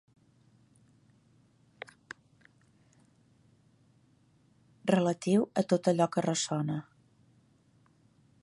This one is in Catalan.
Relatiu a tot allò que ressona.